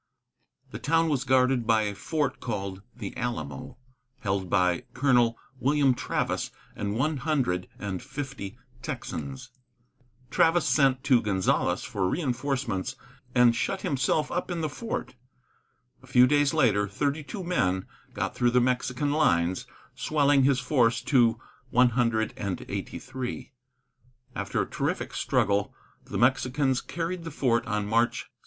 The town was guarded by a fort called the Alamo, held by Colonel William Travis and one hundred and fifty Texans. Travis sent to Gonzales for reinforcements and shut himself up in the fort. A few days later, thirty two men got through the Mexican lines, swelling his force to one hundred and eighty three. After a terrific struggle, the Mexicans carried the fort on March 6.